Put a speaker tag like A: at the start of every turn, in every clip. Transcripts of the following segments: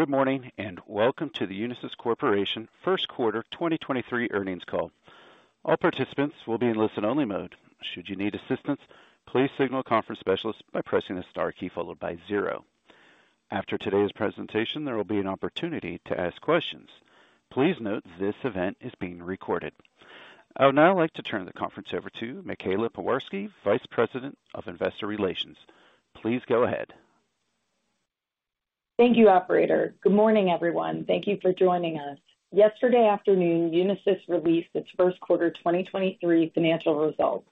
A: Good morning, welcome to the Unisys Corporation first quarter 2023 earnings call. All participants will be in listen-only mode. Should you need assistance, please signal a conference specialist by pressing the star key followed by zero. After today's presentation, there will be an opportunity to ask questions. Please note this event is being recorded. I would now like to turn the conference over to Michaela Pewarski, Vice President of Investor Relations. Please go ahead.
B: Thank you, operator. Good morning, everyone. Thank you for joining us. Yesterday afternoon, Unisys released its first quarter 2023 financial results.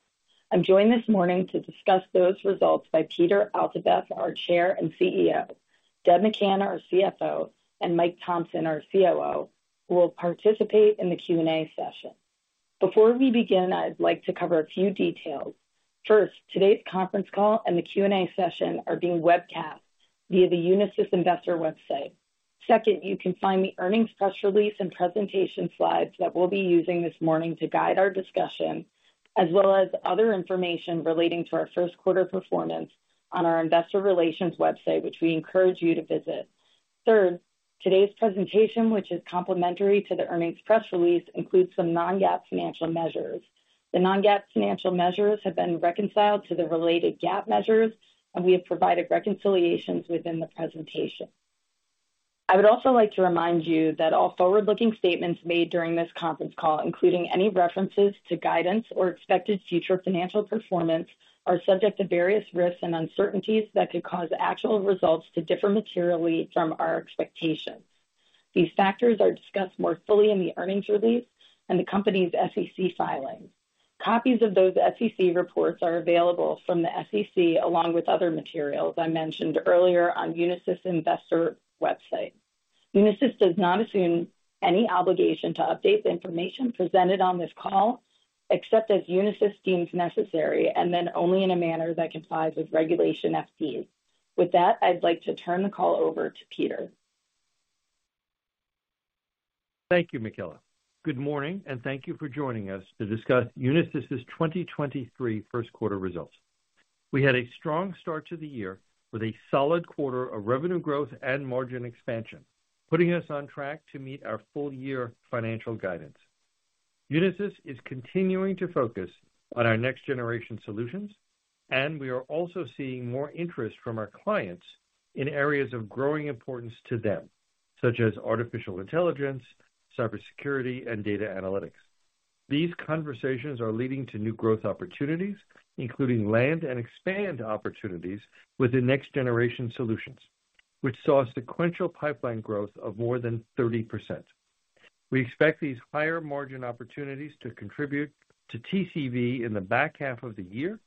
B: I'm joined this morning to discuss those results by Peter Altabef, our Chair and CEO, Deb McCann, our CFO, and Mike Thomson, our COO, who will participate in the Q&A session. Before we begin, I'd like to cover a few details. First, today's conference call and the Q&A session are being webcast via the Unisys investor website. Second, you can find the earnings press release and presentation slides that we'll be using this morning to guide our discussion, as well as other information relating to our first quarter performance on our investor relations website, which we encourage you to visit. Third, today's presentation, which is complementary to the earnings press release, includes some non-GAAP financial measures. The non-GAAP financial measures have been reconciled to the related GAAP measures, and we have provided reconciliations within the presentation. I would also like to remind you that all forward-looking statements made during this conference call, including any references to guidance or expected future financial performance, are subject to various risks and uncertainties that could cause actual results to differ materially from our expectations. These factors are discussed more fully in the earnings release and the company's SEC filings. Copies of those SEC reports are available from the SEC, along with other materials I mentioned earlier on Unisys' investor website. Unisys does not assume any obligation to update the information presented on this call, except as Unisys deems necessary, and then only in a manner that complies with Regulation FD. With that, I'd like to turn the call over to Peter.
C: Thank you, Michaela. Good morning, and thank you for joining us to discuss Unisys's 2023 first quarter results. We had a strong start to the year with a solid quarter of revenue growth and margin expansion, putting us on track to meet our full year financial guidance. Unisys is continuing to focus on our next generation solutions, and we are also seeing more interest from our clients in areas of growing importance to them, such as artificial intelligence, cybersecurity, and data analytics. These conversations are leading to new growth opportunities, including land and expand opportunities with the next generation solutions, which saw sequential pipeline growth of more than 30%. We expect these higher margin opportunities to contribute to TCV in the back half of the year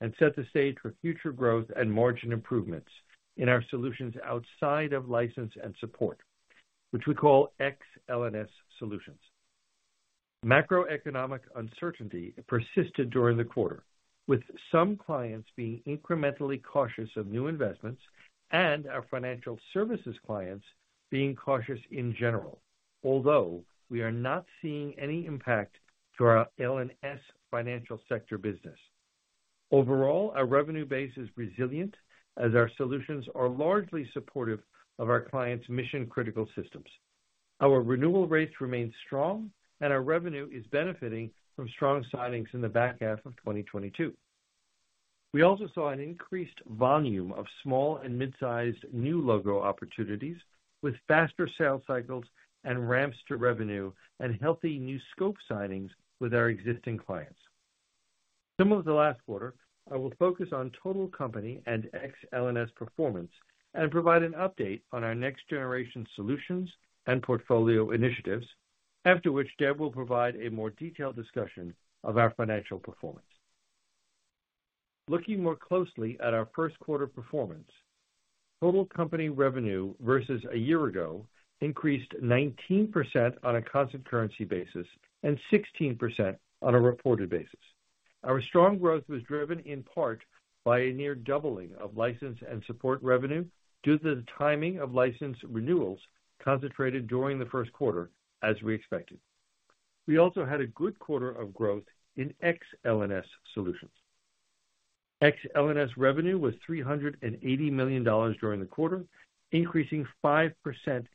C: and set the stage for future growth and margin improvements in our solutions outside of License and Support, which we call ex-LNS solutions. Macroeconomic uncertainty persisted during the quarter, with some clients being incrementally cautious of new investments and our financial services clients being cautious in general. Although we are not seeing any impact to our LNS financial sector business. Overall, our revenue base is resilient as our solutions are largely supportive of our clients' mission-critical systems. Our renewal rates remain strong, and our revenue is benefiting from strong signings in the back half of 2022. We also saw an increased volume of small and mid-sized new logo opportunities with faster sales cycles and ramps to revenue and healthy new scope signings with our existing clients. Similar to last quarter, I will focus on total company and Ex LNS performance and provide an update on our next generation solutions and portfolio initiatives. After which Deb will provide a more detailed discussion of our financial performance. Looking more closely at our first quarter performance, total company revenue versus a year-ago increased 19% on a constant currency basis and 16% on a reported basis. Our strong growth was driven in part by a near doubling of License and Support revenue due to the timing of license renewals concentrated during the first quarter, as we expected. We also had a good quarter of growth in Ex LNS solutions. Ex LNS revenue was $380 million during the quarter, increasing 5%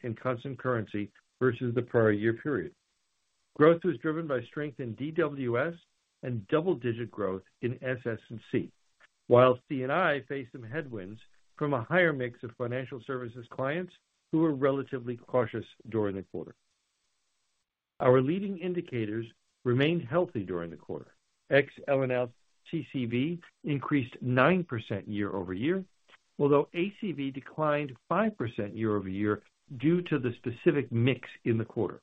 C: in constant currency versus the prior year period. Growth was driven by strength in DWS and double-digit growth in SS&C. While C&I faced some headwinds from a higher mix of financial services clients who were relatively cautious during the quarter. Our leading indicators remained healthy during the quarter. Ex-LNS TCV increased 9% year-over-year, although ACV declined 5% year-over-year due to the specific mix in the quarter.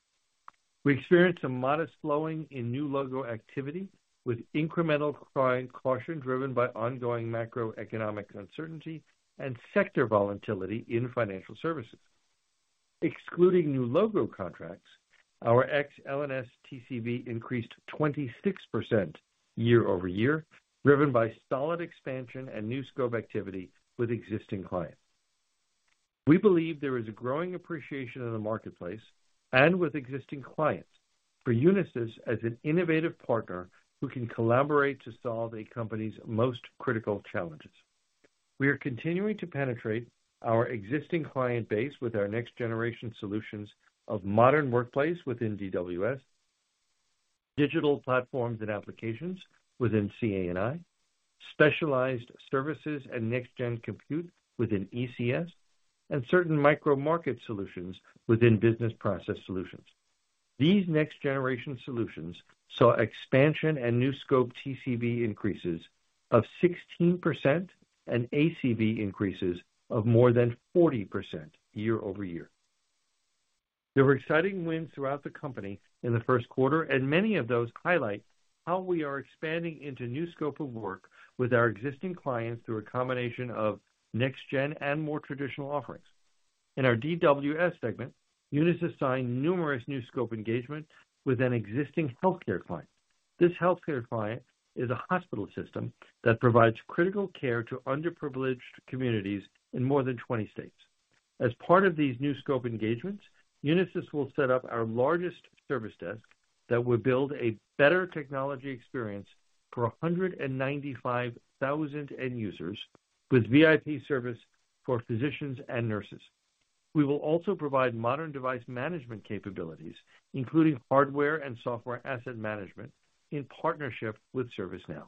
C: We experienced a modest slowing in new logo activity, with incremental client caution driven by ongoing macroeconomic uncertainty and sector volatility in financial services. Excluding new logo contracts, our Ex-LNS TCV increased 26% year-over-year, driven by solid expansion and new scope activity with existing clients. We believe there is a growing appreciation in the marketplace and with existing clients for Unisys as an innovative partner who can collaborate to solve a company's most critical challenges. We are continuing to penetrate our existing client base with our next-generation solutions of Modern Workplace within DWS, Digital Platforms and Applications within CA&I, Specialized Services and Next-Gen Compute within ECS, and certain micro-market solutions within Business Process Solutions. These next-generation solutions saw expansion and new scope TCV increases of 16% and ACV increases of more than 40% year-over-year. There were exciting wins throughout the company in the first quarter, and many of those highlight how we are expanding into new scope of work with our existing clients through a combination of next-gen and more traditional offerings. In our DWS segment, Unisys signed numerous new scope engagement with an existing healthcare client. This healthcare client is a hospital system that provides critical care to underprivileged communities in more than 20 states. As part of these new scope engagements, Unisys will set up our largest service desk that will build a better technology experience for 195,000 end users with VIP service for physicians and nurses. We will also provide modern device management capabilities, including hardware and software asset management in partnership with ServiceNow.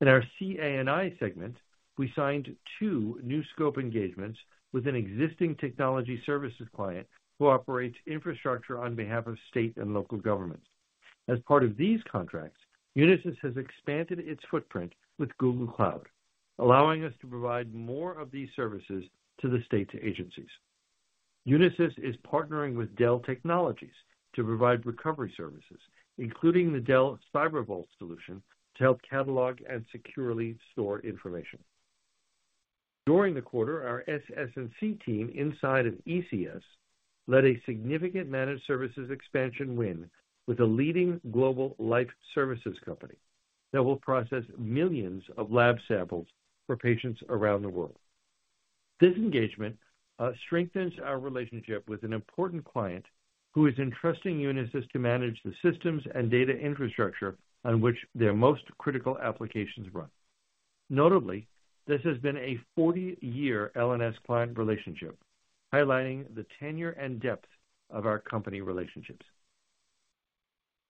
C: In our CA&I segment, Unisys signed two new scope engagements with an existing technology services client who operates infrastructure on behalf of state and local governments. As part of these contracts, Unisys has expanded its footprint with Google Cloud, allowing us to provide more of these services to the state agencies. Unisys is partnering with Dell Technologies to provide recovery services, including the Dell Cyber Vault solution to help catalog and securely store information. During the quarter, our SS&C team inside of ECS led a significant managed services expansion win with a leading global life services company that will process millions of lab samples for patients around the world. This engagement strengthens our relationship with an important client who is entrusting Unisys to manage the systems and data infrastructure on which their most critical applications run. Notably, this has been a 40-year L&S client relationship, highlighting the tenure and depth of our company relationships.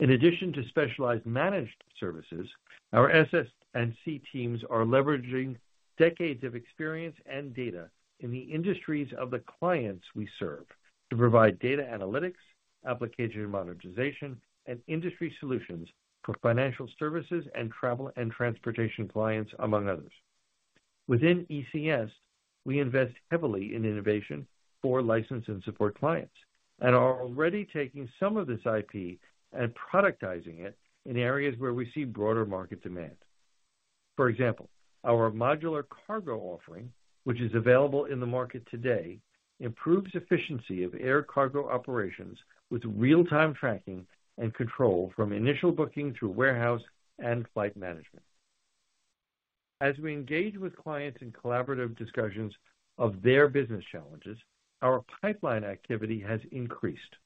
C: In addition to specialized managed services, our SS&C teams are leveraging decades of experience and data in the industries of the clients we serve to provide data analytics, application monetization, and industry solutions for financial services and travel and transportation clients, among others. Within ECS, we invest heavily in innovation for license and support clients, and are already taking some of this IP and productizing it in areas where we see broader market demand. For example, our modular cargo offering, which is available in the market today, improves efficiency of air cargo operations with real-time tracking and control from initial booking through warehouse and flight management. As we engage with clients in collaborative discussions of their business challenges, our pipeline activity has increased.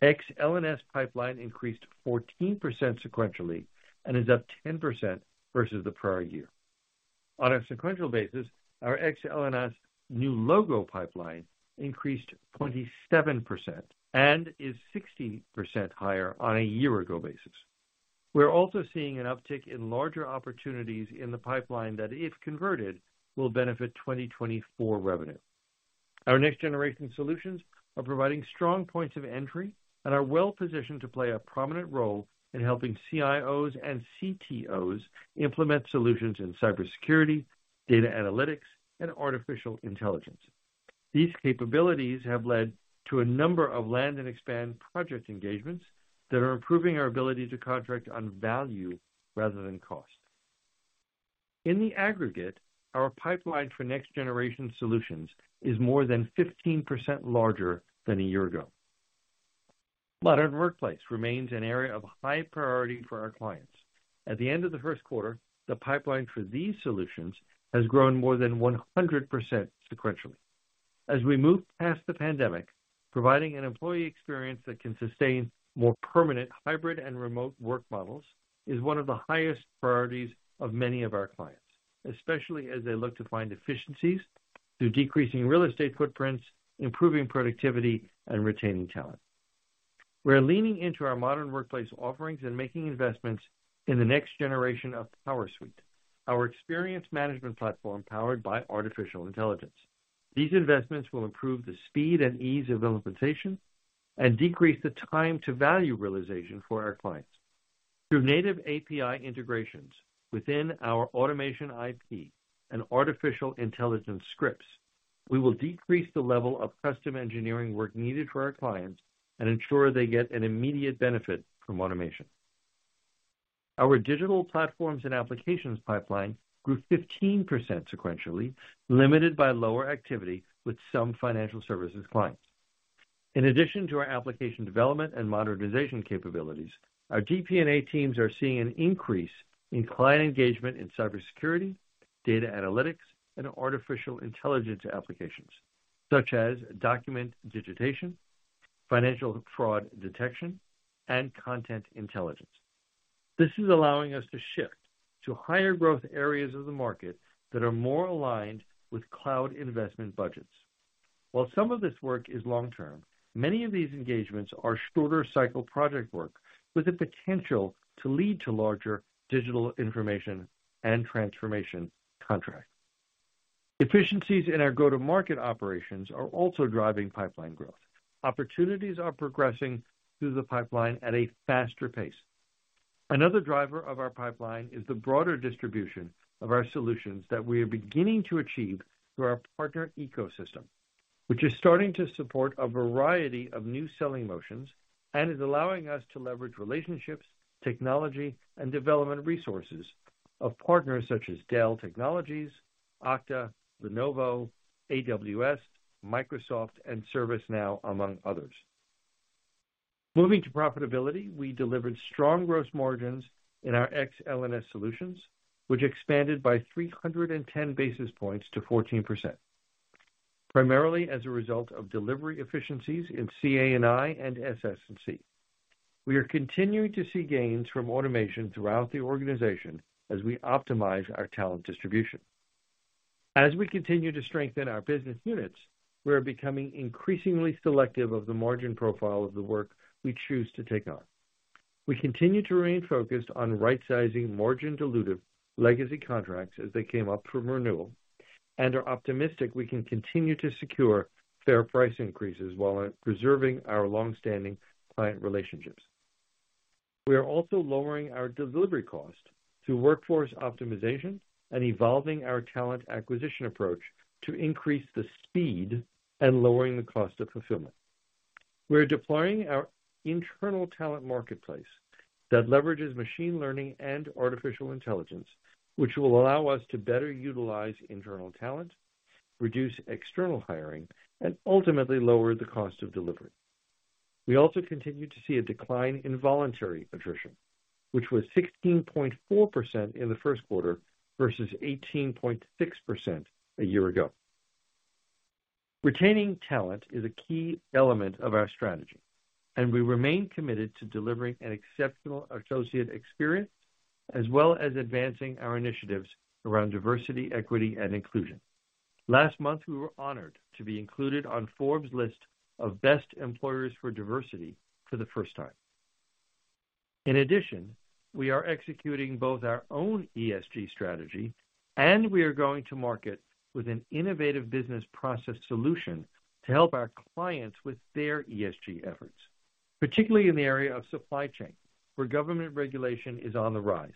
C: Ex-L&S pipeline increased 14% sequentially and is up 10% versus the prior year. On a sequential basis, our Ex-L&S new logo pipeline increased 27% and is 60% higher on a year ago basis. We're also seeing an uptick in larger opportunities in the pipeline that, if converted, will benefit 2024 revenue. Our next generation solutions are providing strong points of entry and are well positioned to play a prominent role in helping CIOs and CTOs implement solutions in cybersecurity, data analytics, and artificial intelligence. These capabilities have led to a number of land and expand project engagements that are improving our ability to contract on value rather than cost. In the aggregate, our pipeline for next generation solutions is more than 15% larger than a year ago. Modern Workplace remains an area of high priority for our clients. At the end of the first quarter, the pipeline for these solutions has grown more than 100% sequentially. As we move past the pandemic, providing an employee experience that can sustain more permanent hybrid and remote work models is one of the highest priorities of many of our clients, especially as they look to find efficiencies through decreasing real estate footprints, improving productivity, and retaining talent. We're leaning into our Modern Workplace offerings and making investments in the next generation of PowerSuite, our experience management platform powered by artificial intelligence. These investments will improve the speed and ease of implementation and decrease the time to value realization for our clients. Through native API integrations within our automation IP and artificial intelligence scripts, we will decrease the level of custom engineering work needed for our clients and ensure they get an immediate benefit from automation. Our Digital Platforms and Applications pipeline grew 15% sequentially, limited by lower activity with some financial services clients. In addition to our application development and modernization capabilities, our DP&A teams are seeing an increase in client engagement in cybersecurity, data analytics and artificial intelligence applications. Such as document digitization, financial fraud detection, and content intelligence. This is allowing us to shift to higher growth areas of the market that are more aligned with cloud investment budgets. While some of this work is long-term, many of these engagements are shorter cycle project work with the potential to lead to larger digital information and transformation contracts. Efficiencies in our go-to-market operations are also driving pipeline growth. Opportunities are progressing through the pipeline at a faster pace. Another driver of our pipeline is the broader distribution of our solutions that we are beginning to achieve through our partner ecosystem, which is starting to support a variety of new selling motions and is allowing us to leverage relationships, technology, and development resources of partners such as Dell Technologies, Okta, Lenovo, AWS, Microsoft, and ServiceNow, among others. Moving to profitability, we delivered strong gross margins in our Ex-L&S solutions, which expanded by 310 basis points to 14%, primarily as a result of delivery efficiencies in CA&I and SS&C. We are continuing to see gains from automation throughout the organization as we optimize our talent distribution. As we continue to strengthen our business units, we are becoming increasingly selective of the margin profile of the work we choose to take on. We continue to remain focused on right-sizing margin-dilutive legacy contracts as they came up for renewal, and are optimistic we can continue to secure fair price increases while preserving our long-standing client relationships. We are also lowering our delivery cost through workforce optimization and evolving our talent acquisition approach to increase the speed and lowering the cost of fulfillment. We are deploying our internal talent marketplace that leverages machine learning and artificial intelligence, which will allow us to better utilize internal talent, reduce external hiring, and ultimately lower the cost of delivery. We also continue to see a decline in voluntary attrition, which was 16.4% in the first quarter versus 18.6% a year ago. Retaining talent is a key element of our strategy, and we remain committed to delivering an exceptional associate experience as well as advancing our initiatives around diversity, equity, and inclusion. Last month, we were honored to be included on Forbes list of best employers for diversity for the first time. We are executing both our own ESG strategy and we are going to market with an innovative business process solution to help our clients with their ESG efforts, particularly in the area of supply chain, where government regulation is on the rise.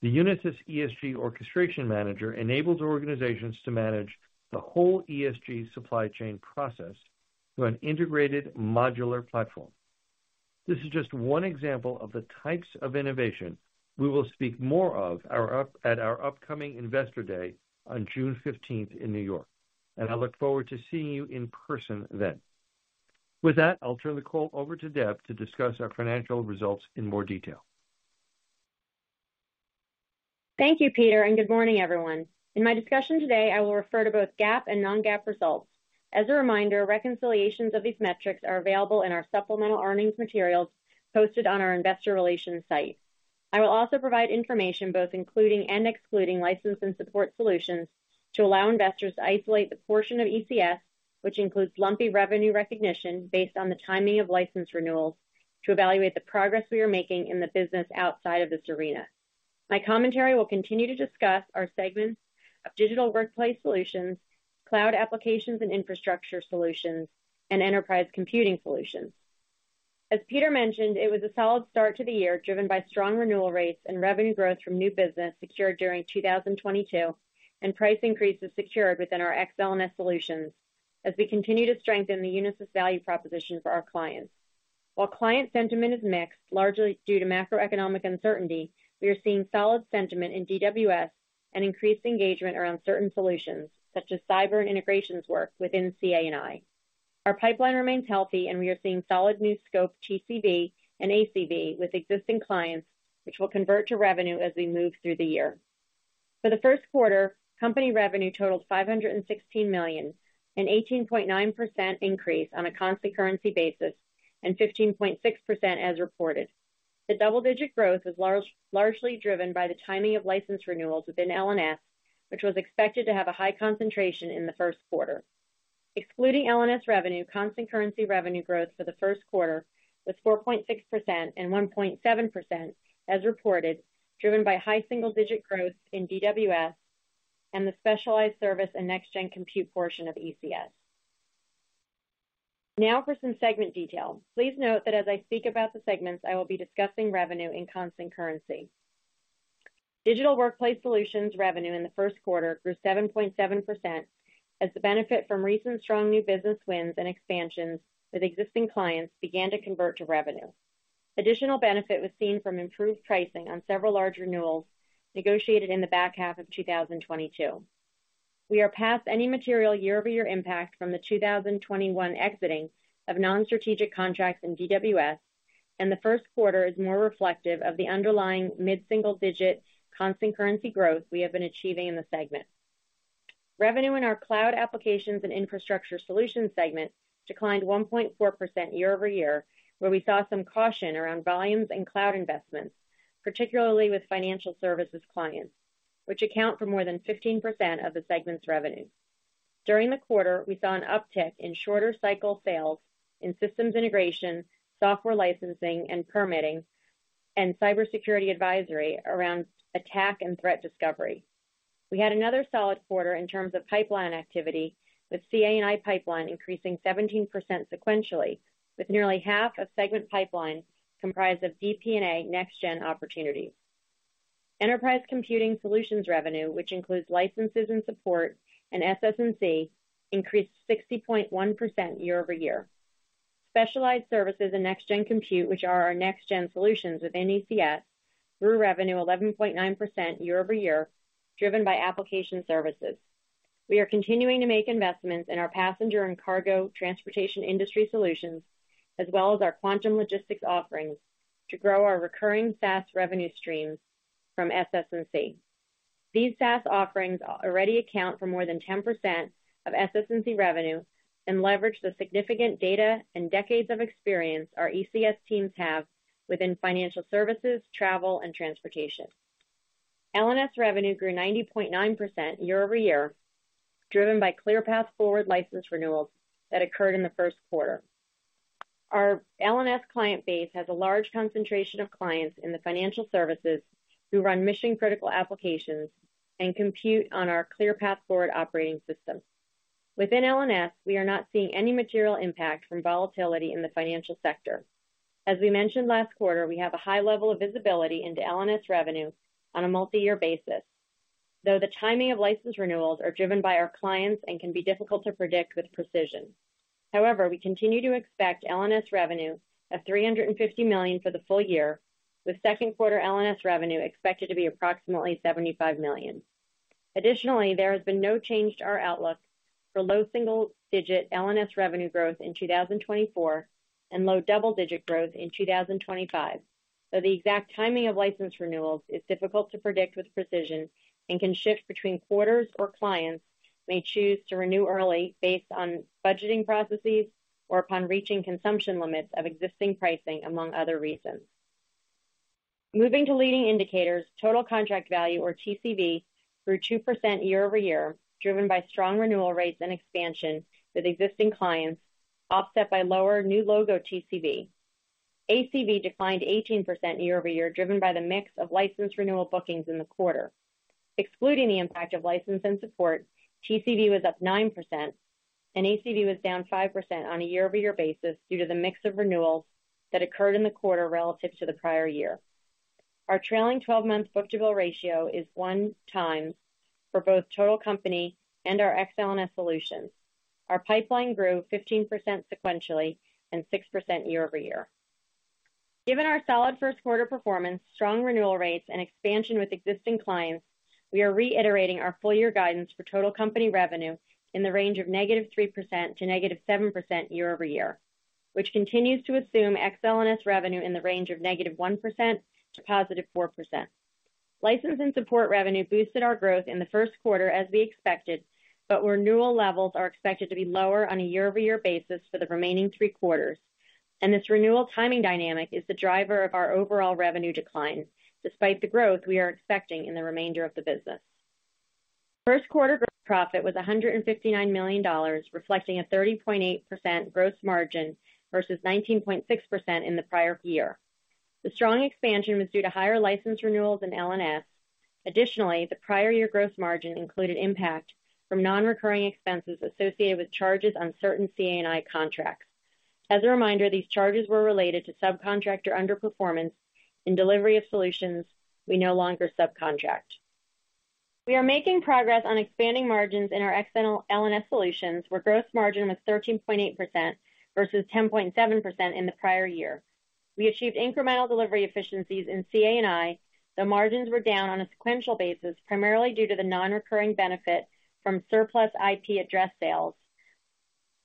C: The Unisys ESG Orchestration Manager enables organizations to manage the whole ESG supply chain process through an integrated modular platform. This is just one example of the types of innovation we will speak more of at our upcoming Investor Day on June 15th in New York. I look forward to seeing you in person then. With that, I'll turn the call over to Deb to discuss our financial results in more detail.
D: Thank you, Peter, and good morning, everyone. In my discussion today, I will refer to both GAAP and non-GAAP results. As a reminder, reconciliations of these metrics are available in our supplemental earnings materials posted on our investor relations site. I will also provide information both including and excluding License and Support solutions to allow investors to isolate the portion of ECS, which includes lumpy revenue recognition based on the timing of license renewals to evaluate the progress we are making in the business outside of this arena. My commentary will continue to discuss our segments of Digital Workplace Solutions, Cloud Applications and Infrastructure Solutions, and Enterprise Computing Solutions. As Peter mentioned, it was a solid start to the year, driven by strong renewal rates and revenue growth from new business secured during 2022, and price increases secured within our Ex-L&S solutions as we continue to strengthen the Unisys value proposition for our clients. While client sentiment is mixed, largely due to macroeconomic uncertainty, we are seeing solid sentiment in DWS and increased engagement around certain solutions, such as cyber and integrations work within CA&I. Our pipeline remains healthy, and we are seeing solid new scope TCV and ACV with existing clients, which will convert to revenue as we move through the year. For the first quarter, company revenue totaled $516 million, an 18.9% increase on a constant currency basis, and 15.6% as reported. The double-digit growth was largely driven by the timing of license renewals within LNS, which was expected to have a high concentration in the first quarter. Excluding LNS revenue, constant currency revenue growth for the first quarter was 4.6% and 1.7% as reported, driven by high single-digit growth in DWS and the Specialized Services and Next-Gen Compute portion of ECS. For some segment details. Please note that as I speak about the segments, I will be discussing revenue in constant currency. Digital Workplace Solutions revenue in the first quarter grew 7.7% as the benefit from recent strong new business wins and expansions with existing clients began to convert to revenue. Additional benefit was seen from improved pricing on several large renewals negotiated in the back half of 2022. We are past any material year-over-year impact from the 2021 exiting of non-strategic contracts in DWS. The first quarter is more reflective of the underlying mid-single digit constant currency growth we have been achieving in the segment. Revenue in our Cloud Applications and Infrastructure Solutions segment declined 1.4% year-over-year, where we saw some caution around volumes and cloud investments, particularly with financial services clients, which account for more than 15% of the segment's revenue. During the quarter, we saw an uptick in shorter cycle sales in systems integration, software licensing and permitting, and cybersecurity advisory around attack and threat discovery. We had another solid quarter in terms of pipeline activity, with CA&I pipeline increasing 17% sequentially, with nearly half of segment pipeline comprised of DP&A next-gen opportunities. Enterprise Computing Solutions revenue, which includes licenses and support and SS&C, increased 60.1% year-over-year. Specialized Services and Next-Gen Compute, which are our next-gen solutions within ECS, grew revenue 11.9% year-over-year, driven by application services. We are continuing to make investments in our passenger and cargo transportation industry solutions, as well as our quantum logistics offerings to grow our recurring SaaS revenue streams from SS&C. These SaaS offerings already account for more than 10% of SS&C revenue and leverage the significant data and decades of experience our ECS teams have within financial services, travel, and transportation. LNS revenue grew 90.9% year-over-year, driven by ClearPath Forward license renewals that occurred in the first quarter. Our LNS client base has a large concentration of clients in the financial services who run mission-critical applications and compute on our ClearPath Forward operating system. Within LNS, we are not seeing any material impact from volatility in the financial sector. As we mentioned last quarter, we have a high level of visibility into LNS revenue on a multi-year basis. The timing of license renewals are driven by our clients and can be difficult to predict with precision. We continue to expect LNS revenue of $350 million for the full year, with second quarter LNS revenue expected to be approximately $75 million. There has been no change to our outlook for low single-digit LNS revenue growth in 2024 and low double-digit growth in 2025, the exact timing of license renewals is difficult to predict with precision and can shift between quarters or clients may choose to renew early based on budgeting processes or upon reaching consumption limits of existing pricing, among other reasons. Moving to leading indicators, total contract value, or TCV, grew 2% year-over-year, driven by strong renewal rates and expansion with existing clients, offset by lower new logo TCV. ACV declined 18% year-over-year, driven by the mix of license renewal bookings in the quarter. Excluding the impact of license and support, TCV was up 9% and ACV was down 5% on a year-over-year basis due to the mix of renewals that occurred in the quarter relative to the prior year. Our trailing 12-month book-to-bill ratio is 1x for both total company and our Ex-L&S solutions. Our pipeline grew 15% sequentially and 6% year-over-year. Given our solid first quarter performance, strong renewal rates, and expansion with existing clients, we are reiterating our full year guidance for total company revenue in the range of -3% to -7% year-over-year, which continues to assume Ex-LNS revenue in the range of -1% to +4%. License and support revenue boosted our growth in the first quarter as we expected, but renewal levels are expected to be lower on a year-over-year basis for the remaining three quarters. This renewal timing dynamic is the driver of our overall revenue decline despite the growth we are expecting in the remainder of the business. First quarter gross profit was $159 million, reflecting a 30.8% gross margin versus 19.6% in the prior year. The strong expansion was due to higher license renewals in LNS. The prior year gross margin included impact from non-recurring expenses associated with charges on certain CA&I contracts. As a reminder, these charges were related to subcontractor underperformance in delivery of solutions we no longer subcontract. We are making progress on expanding margins in our external LNS solutions, where gross margin was 13.8% versus 10.7% in the prior year. We achieved incremental delivery efficiencies in CA&I, though margins were down on a sequential basis, primarily due to the non-recurring benefit from surplus IP address sales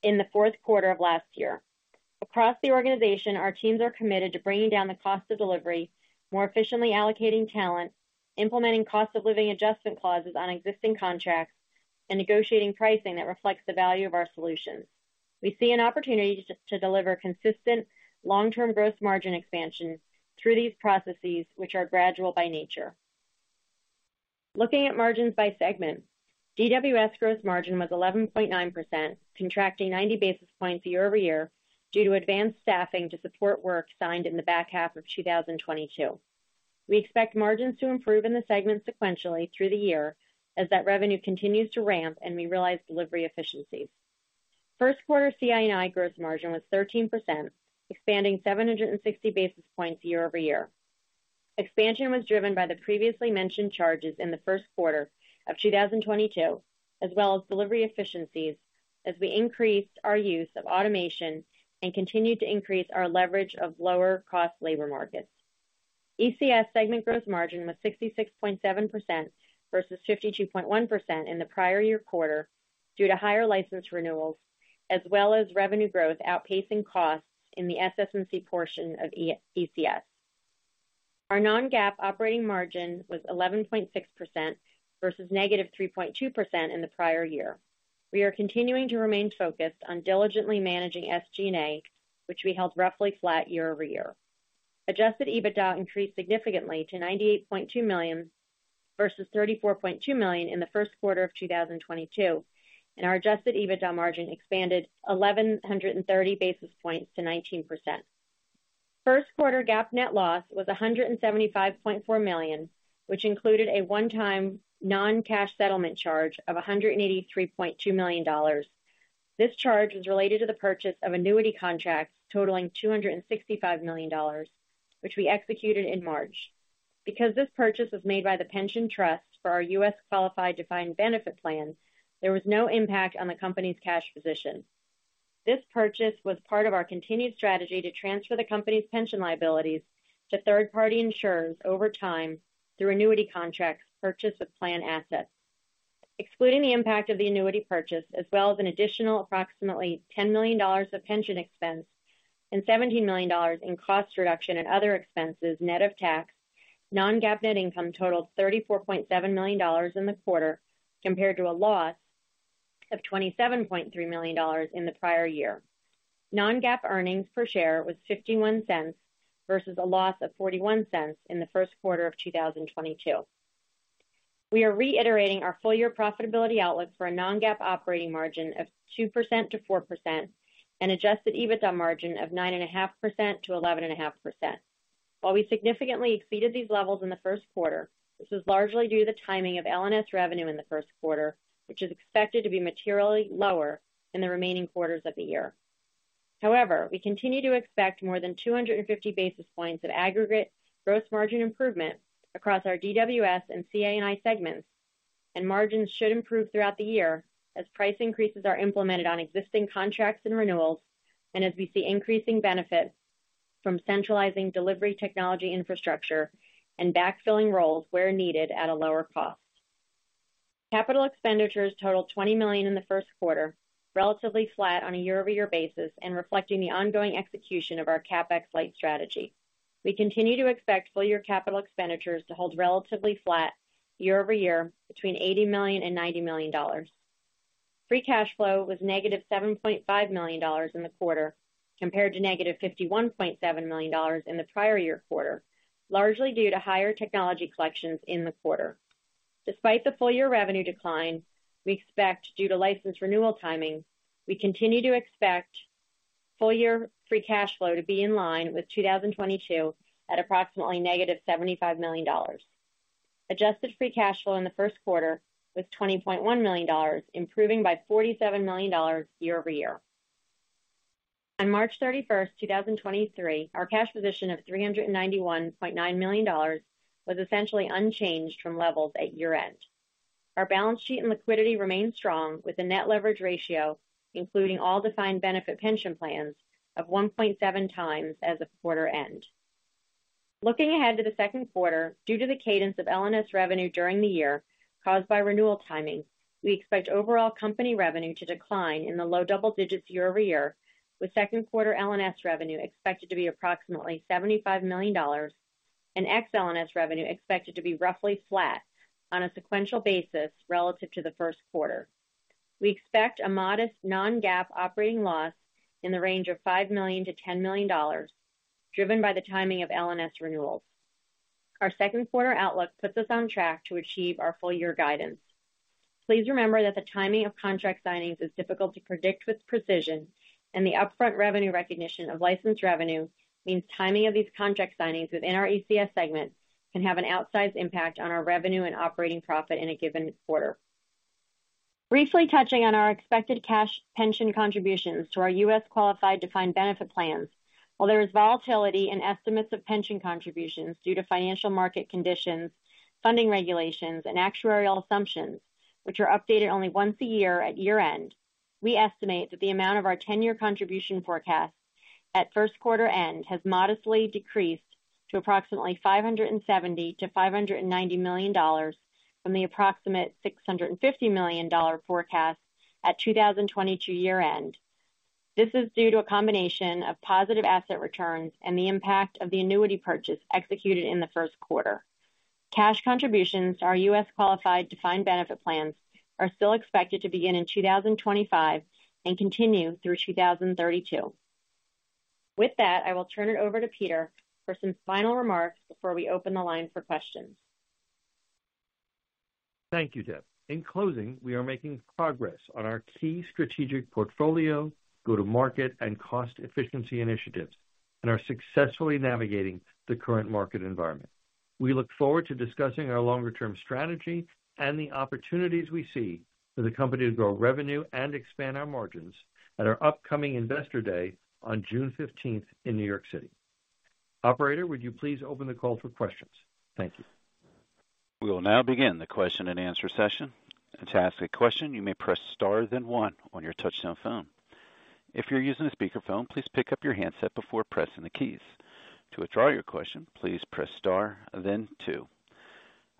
D: in the fourth quarter of last year. Across the organization, our teams are committed to bringing down the cost of delivery, more efficiently allocating talent, implementing cost of living adjustment clauses on existing contracts, and negotiating pricing that reflects the value of our solutions. We see an opportunity to deliver consistent long-term gross margin expansion through these processes, which are gradual by nature. Looking at margins by segment, DWS gross margin was 11.9%, contracting 90 basis points year-over-year due to advanced staffing to support work signed in the back half of 2022. We expect margins to improve in the segment sequentially through the year as that revenue continues to ramp and we realize delivery efficiencies. First quarter CA&I gross margin was 13%, expanding 760 basis points year-over-year. Expansion was driven by the previously mentioned charges in the first quarter of 2022, as well as delivery efficiencies as we increased our use of automation and continued to increase our leverage of lower cost labor markets. ECS segment gross margin was 66.7% versus 52.1% in the prior year quarter due to higher license renewals as well as revenue growth outpacing costs in the SS&C portion of ECS. Our non-GAAP operating margin was 11.6% versus -3.2% in the prior year. We are continuing to remain focused on diligently managing SG&A, which we held roughly flat year-over-year. Adjusted EBITDA increased significantly to $98.2 million versus $34.2 million in the first quarter of 2022, and our adjusted EBITDA margin expanded 1,130 basis points to 19%. First quarter GAAP net loss was $175.4 million, which included a one-time non-cash settlement charge of $183.2 million. This charge was related to the purchase of annuity contracts totaling $265 million, which we executed in March. Because this purchase was made by the pension trust for our US qualified defined benefit plan, there was no impact on the company's cash position. This purchase was part of our continued strategy to transfer the company's pension liabilities to third-party insurers over time through annuity contracts purchase of plan assets. Excluding the impact of the annuity purchase, as well as an additional approximately $10 million of pension expense and $17 million in cost reduction and other expenses net of tax, non-GAAP net income totaled $34.7 million in the quarter compared to a loss of $27.3 million in the prior year. Non-GAAP earnings per share was $0.51 versus a loss of $0.41 in the first quarter of 2022. We are reiterating our full-year profitability outlook for a non-GAAP operating margin of 2%-4% and adjusted EBITDA margin of 9.5%-11.5%. While we significantly exceeded these levels in the first quarter, this was largely due to the timing of LNS revenue in the first quarter, which is expected to be materially lower in the remaining quarters of the year. We continue to expect more than 250 basis points of aggregate gross margin improvement across our DWS and CA&I segments, and margins should improve throughout the year as price increases are implemented on existing contracts and renewals, and as we see increasing benefits from centralizing delivery technology infrastructure and backfilling roles where needed at a lower cost. Capital expenditures totaled $20 million in the first quarter, relatively flat on a year-over-year basis and reflecting the ongoing execution of our CapEx light strategy. We continue to expect full-year capital expenditures to hold relatively flat year-over-year between $80 million and $90 million. Free cash flow was negative $7.5 million in the quarter compared to negative $51.7 million in the prior year quarter, largely due to higher technology collections in the quarter. Despite the full-year revenue decline, we expect due to license renewal timing, we continue to expect full-year free cash flow to be in line with 2022 at approximately negative $75 million. Adjusted free cash flow in the first quarter was $20.1 million, improving by $47 million year-over-year. On March 31st, 2023, our cash position of $391.9 million was essentially unchanged from levels at year-end. Our balance sheet and liquidity remain strong with a net leverage ratio, including all defined benefit pension plans of 1.7x as of quarter end. Looking ahead to the second quarter, due to the cadence of LNS revenue during the year caused by renewal timing, we expect overall company revenue to decline in the low double digits year-over-year, with second quarter LNS revenue expected to be approximately $75 million and ex LNS revenue expected to be roughly flat on a sequential basis relative to the first quarter. We expect a modest non-GAAP operating loss in the range of $5 million-$10 million, driven by the timing of LNS renewals. Our second quarter outlook puts us on track to achieve our full-year guidance. Please remember that the timing of contract signings is difficult to predict with precision. The upfront revenue recognition of license revenue means timing of these contract signings within our ECS segment can have an outsized impact on our revenue and operating profit in a given quarter. Briefly touching on our expected cash pension contributions to our U.S. qualified defined benefit plans. While there is volatility in estimates of pension contributions due to financial market conditions, funding regulations, and actuarial assumptions, which are updated only once a year at year-end, we estimate that the amount of our 10-year contribution forecast at first quarter end has modestly decreased to approximately $570 million-$590 million from the approximate $650 million forecast at 2022 year-end. This is due to a combination of positive asset returns and the impact of the annuity purchase executed in the first quarter. Cash contributions to our U.S. qualified defined benefit plans are still expected to begin in 2025 and continue through 2032. With that, I will turn it over to Peter for some final remarks before we open the line for questions.
C: Thank you, Deb. In closing, we are making progress on our key strategic portfolio, go-to-market, and cost efficiency initiatives and are successfully navigating the current market environment. We look forward to discussing our longer-term strategy and the opportunities we see for the company to grow revenue and expand our margins at our upcoming Investor Day on June 15th in New York City. Operator, would you please open the call for questions? Thank you.
A: We will now begin the question-and-answer session. To ask a question, you may press star then one on your touchtone phone. If you're using a speakerphone, please pick up your handset before pressing the keys. To withdraw your question, please press star then two.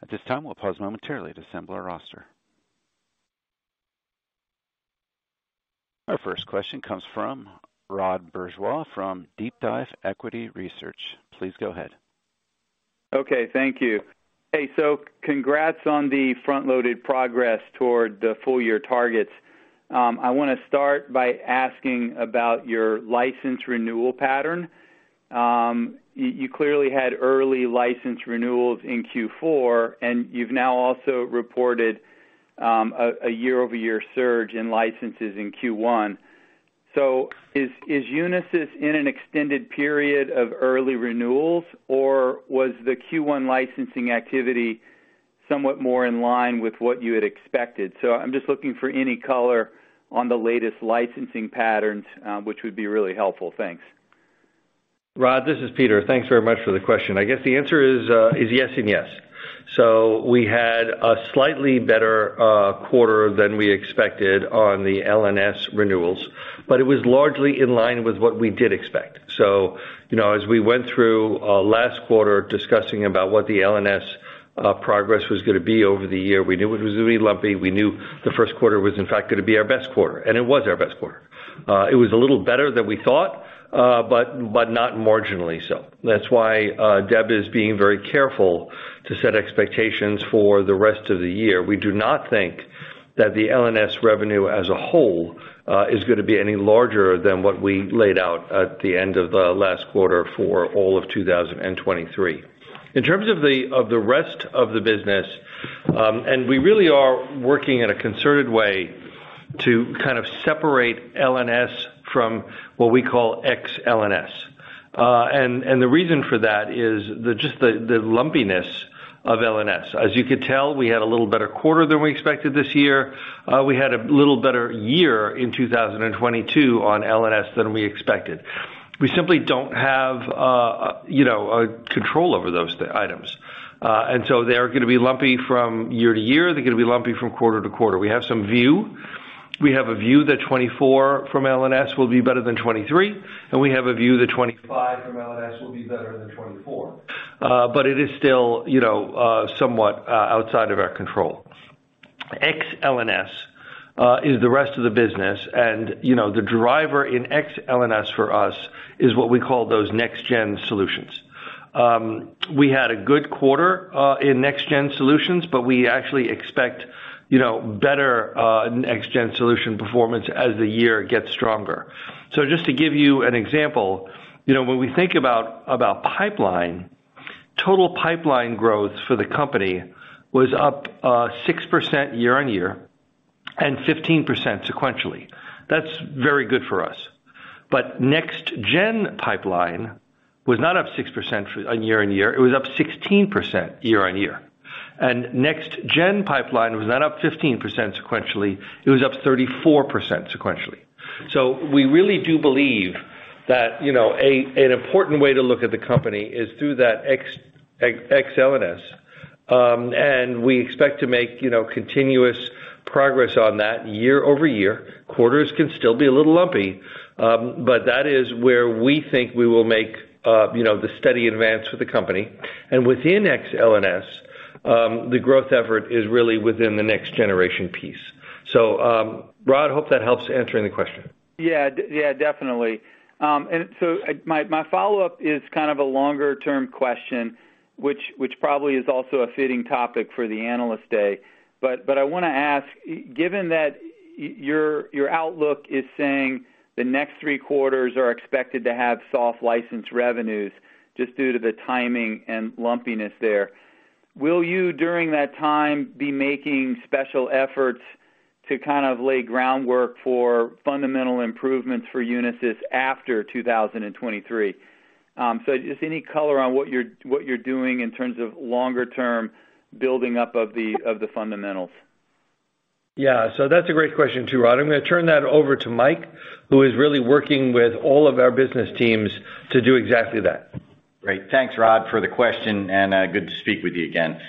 A: At this time, we'll pause momentarily to assemble our roster. Our first question comes from Rod Bourgeois from DeepDive Equity Research. Please go ahead.
E: Okay. Thank you. Hey, congrats on the front-loaded progress toward the full year targets. I wanna start by asking about your license renewal pattern. You clearly had early license renewals in Q4, and you've now also reported a year-over-year surge in licenses in Q1. Is Unisys in an extended period of early renewals, or was the Q1 licensing activity somewhat more in line with what you had expected? I'm just looking for any color on the latest licensing patterns, which would be really helpful. Thanks.
C: Rod, this is Peter. Thanks very much for the question. I guess the answer is yes and yes. We had a slightly better quarter than we expected on the LNS renewals, but it was largely in line with what we did expect. You know, as we went through last quarter discussing about what the LNS progress was gonna be over the year, we knew it was gonna be lumpy. We knew the first quarter was in fact gonna be our best quarter, and it was our best quarter. It was a little better than we thought, but not marginally so. That's why, Deb is being very careful to set expectations for the rest of the year. We do not think that the LNS revenue as a whole is gonna be any larger than what we laid out at the end of the last quarter for all of 2023. In terms of the rest of the business, we really are working in a concerted way to kind of separate LNS from what we call ex LNS. The reason for that is the lumpiness of LNS. As you could tell, we had a little better quarter than we expected this year. We had a little better year in 2022 on LNS than we expected. We simply don't have, you know, control over those items. So they are gonna be lumpy from year to year. They're gonna be lumpy from quarter to quarter. We have some view. We have a view that 2024 from LNS will be better than 2023, and we have a view that 2025 from LNS will be better than 2024. It is still, you know, somewhat outside of our control. Ex LNS is the rest of the business, you know, the driver in Ex LNS for us is what we call those next gen solutions. We had a good quarter in next gen solutions, we actually expect, you know, better next gen solution performance as the year gets stronger. Just to give you an example, you know, when we think about pipeline, total pipeline growth for the company was up 6% year-on-year and 15% sequentially. That's very good for us. Next gen pipeline was not up 6% year-on-year. It was up 16% year-over-year. Next-Gen pipeline was not up 15% sequentially, it was up 34% sequentially. We really do believe that, you know, an important way to look at the company is through that Ex-L&S, and we expect to make, you know, continuous progress on that year-over-year. Quarters can still be a little lumpy, but that is where we think we will make, you know, the steady advance for the company. Within Ex-L&S, the growth effort is really within the Next-Gen piece. Rod, hope that helps answering the question.
E: Yeah. Yeah, definitely. My, my follow-up is kind of a longer term question, which probably is also a fitting topic for the analyst day. I wanna ask, given that your outlook is saying the next three quarters are expected to have soft license revenues just due to the timing and lumpiness there, will you during that time be making special efforts to kind of lay groundwork for fundamental improvements for Unisys after 2023? Just any color on what you're doing in terms of longer term building up of the, of the fundamentals.
C: That's a great question, too, Rod. I'm gonna turn that over to Mike, who is really working with all of our business teams to do exactly that.
F: Great. Thanks, Rod, for the question, and good to speak with you again.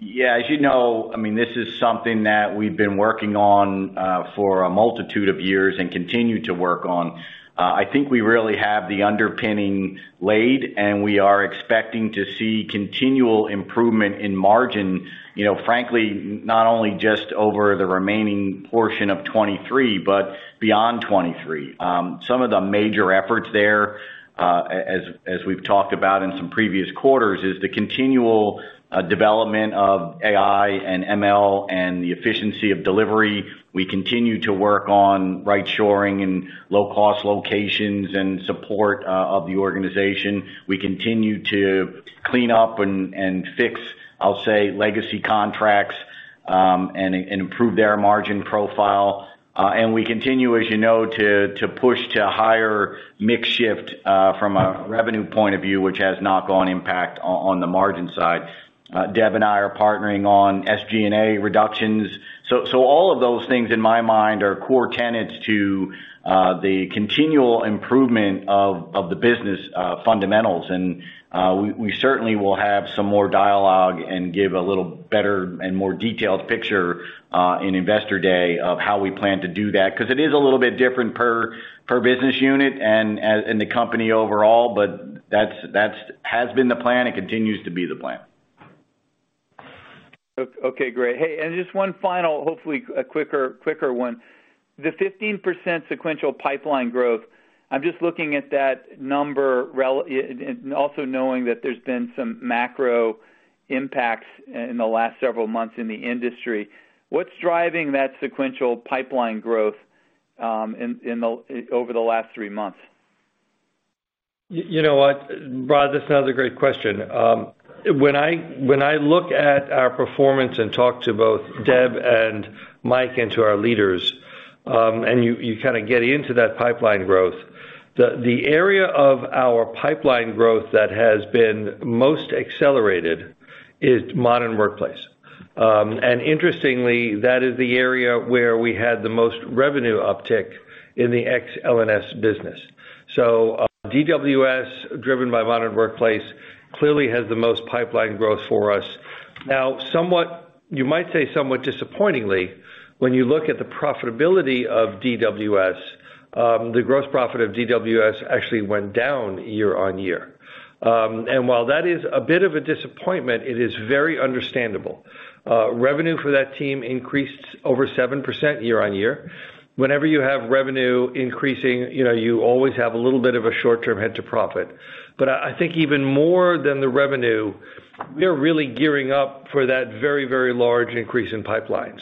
F: Yeah, as you know, I mean, this is something that we've been working on for a multitude of years and continue to work on. I think we really have the underpinning laid, and we are expecting to see continual improvement in margin, you know, frankly, not only just over the remaining portion of 23, but beyond 23. Some of the major efforts there, as we've talked about in some previous quarters, is the continual development of AI and ML and the efficiency of delivery. We continue to work on right shoring and low cost locations and support of the organization. We continue to clean up and fix, I'll say, legacy contracts, and improve their margin profile. We continue, as you know, to push to higher mix shift from a revenue point of view, which has knock on impact on the margin side. Deb and I are partnering on SG&A reductions. All of those things, in my mind, are core tenets to the continual improvement of the business fundamentals. We certainly will have some more dialogue and give a little better and more detailed picture in Investor Day of how we plan to do that, 'cause it is a little bit different per business unit and in the company overall, but that's has been the plan and continues to be the plan.
E: Okay, great. Hey, just one final, hopefully a quicker one. The 15% sequential pipeline growth, I'm just looking at that number and also knowing that there's been some macro impacts in the last several months in the industry. What's driving that sequential pipeline growth in over the last three months?
C: You know what, Rod? That's another great question. When I look at our performance and talk to both Deb and Mike and to our leaders, and you kinda get into that pipeline growth, the area of our pipeline growth that has been most accelerated is Modern Workplace. Interestingly, that is the area where we had the most revenue uptick in the Ex-L&S business. DWS, driven by Modern Workplace, clearly has the most pipeline growth for us. You might say somewhat disappointingly, when you look at the profitability of DWS, the gross profit of DWS actually went down year-over-year. While that is a bit of a disappointment, it is very understandable. Revenue for that team increased over 7% year-over-year. Whenever you have revenue increasing, you know, you always have a little bit of a short-term hit to profit. I think even more than the revenue, we're really gearing up for that very, very large increase in pipeline.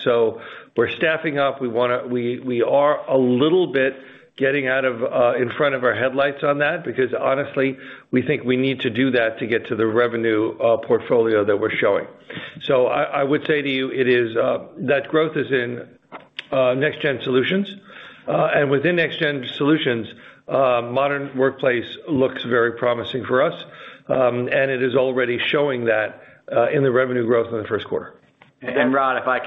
C: We're staffing up. We are a little bit getting out of in front of our headlights on that because, honestly, we think we need to do that to get to the revenue portfolio that we're showing. I would say to you, it is that growth is in next gen solutions. Within next gen solutions, Modern Workplace looks very promising for us, and it is already showing that in the revenue growth in the first quarter.
F: Rod, if I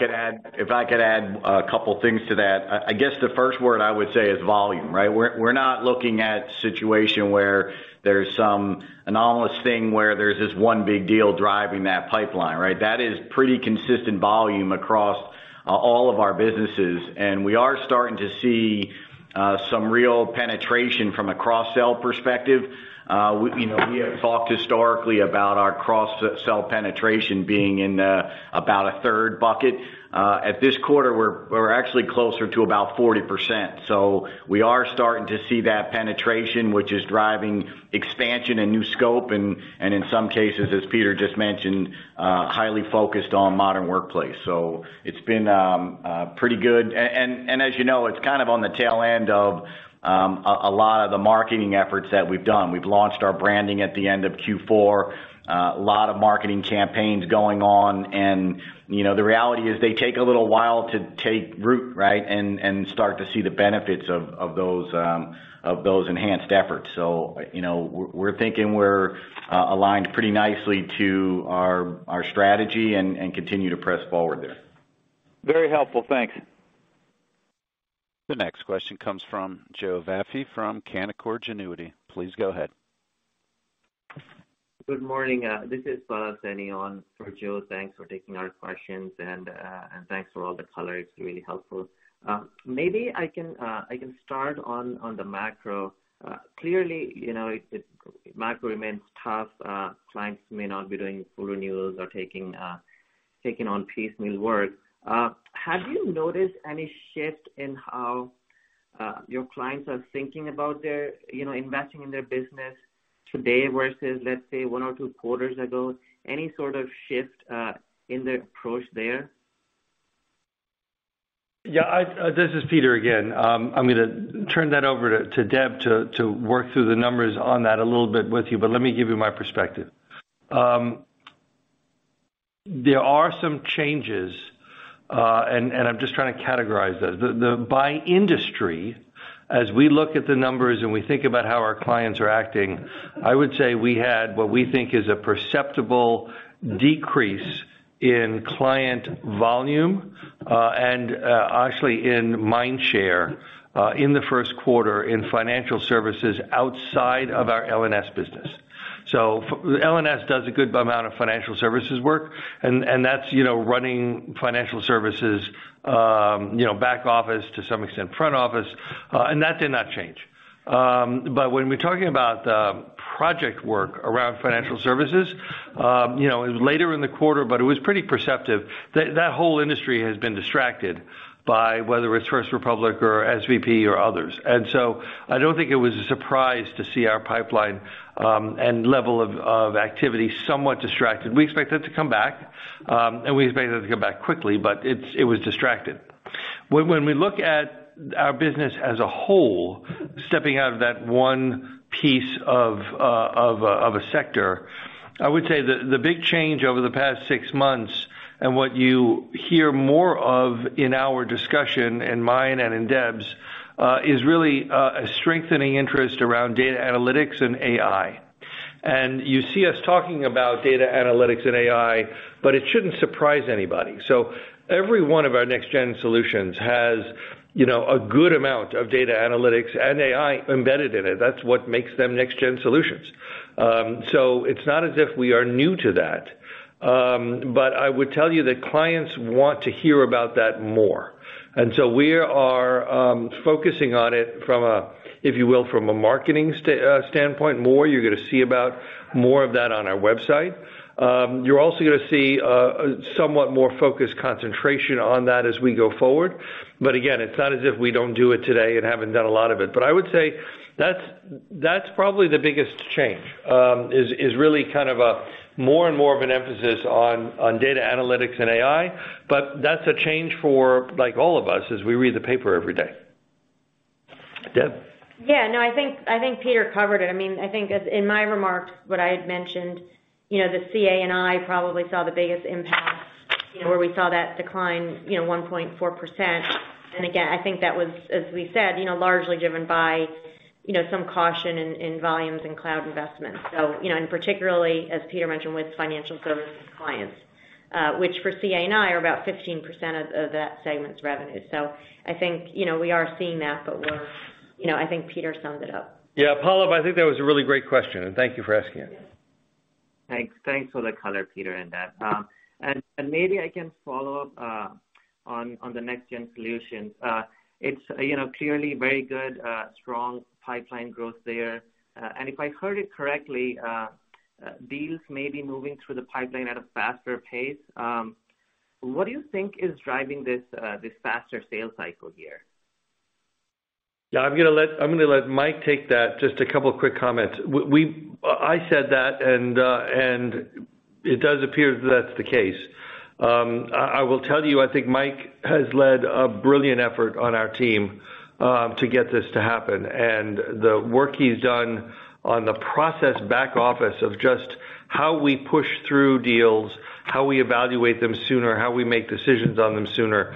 F: could add a couple things to that. I guess the first word I would say is volume, right? We're not looking at situation where there's some anomalous thing where there's this one big deal driving that pipeline, right? That is pretty consistent volume across all of our businesses. We are starting to see some real penetration from a cross-sell perspective. We, you know, we have talked historically about our cross-sell penetration being in about a 1/3 bucket. At this quarter, we're actually closer to about 40%. We are starting to see that penetration, which is driving expansion and new scope, and in some cases, as Peter just mentioned, highly focused on Modern Workplace. It's been a pretty good. As you know, it's kind of on the tail end of a lot of the marketing efforts that we've done. We've launched our branding at the end of Q4, a lot of marketing campaigns going on. You know, the reality is they take a little while to take root, right? Start to see the benefits of those enhanced efforts. You know, we're thinking we're aligned pretty nicely to our strategy and continue to press forward there.
E: Very helpful. Thanks.
A: The next question comes from Joe Vafi from Canaccord Genuity. Please go ahead.
G: Good morning. This is Pallav Saini on for Joe. Thanks for taking our questions, and thanks for all the color. It's really helpful. Maybe I can start on the macro. Clearly, you know, it's macro remains tough. Clients may not be doing full renewals or taking taking on piecemeal work. Have you noticed any shift in how your clients are thinking about their, you know, investing in their business today versus, let's say, one or two quarters ago? Any sort of shift in their approach there?
C: Yeah, this is Peter again. I'm gonna turn that over to Deb to work through the numbers on that a little bit with you, but let me give you my perspective. There are some changes, and I'm just trying to categorize those. By industry, as we look at the numbers and we think about how our clients are acting, I would say we had what we think is a perceptible decrease in client volume, and actually in mind share in the first quarter in financial services outside of our LNS business. LNS does a good amount of financial services work, and that's, you know, running financial services, you know, back office to some extent front office, and that did not change. When we're talking about the project work around financial services, you know, it was later in the quarter, but it was pretty perceptive. That whole industry has been distracted by whether it's First Republic or SVB or others. I don't think it was a surprise to see our pipeline and level of activity somewhat distracted. We expect it to come back, and we expect it to come back quickly, but it was distracted. When we look at our business as a whole, stepping out of that one piece of a sector, I would say the big change over the past six months and what you hear more of in our discussion, in mine and in Deb's, is really a strengthening interest around data analytics and AI. You see us talking about data analytics and AI, but it shouldn't surprise anybody. Every one of our next gen solutions has, you know, a good amount of data analytics and AI embedded in it. That's what makes them next gen solutions. It's not as if we are new to that. I would tell you that clients want to hear about that more. We are focusing on it from a, if you will, from a marketing standpoint more. You're gonna see about more of that on our website. You're also gonna see a somewhat more focused concentration on that as we go forward. Again, it's not as if we don't do it today and haven't done a lot of it. I would say that's probably the biggest change, is really kind of a more and more of an emphasis on data analytics and AI. That's a change for, like, all of us as we read the paper every day. Deb?
D: Yeah, no, I think, I think Peter covered it. I mean, I think as in my remarks, what I had mentioned, you know, the CA&I probably saw the biggest impact, you know, where we saw that decline, you know, 1.4%. Again, I think that was, as we said, you know, largely driven by, you know, some caution in volumes and cloud investments. Particularly, as Peter mentioned, with financial services clients, which for CA&I are about 15% of that segment's revenue. I think, you know, we are seeing that, but we're, you know, I think Peter summed it up.
C: Yeah. Pallav, I think that was a really great question, and thank you for asking it.
G: Thanks. Thanks for the color, Peter, in that. Maybe I can follow up on the next gen solutions. It's, you know, clearly very good, strong pipeline growth there. If I heard it correctly, deals may be moving through the pipeline at a faster pace. What do you think is driving this faster sales cycle here?
C: Yeah, I'm gonna let Mike take that. Just two quick comments. I said that, and it does appear that's the case. I will tell you, I think Mike has led a brilliant effort on our team, to get this to happen. The work he's done on the process back office of just how we push through deals, how we evaluate them sooner, how we make decisions on them sooner,